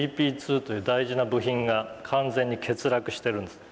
ＧＰ２という大事な部品が完全に欠落してるんです。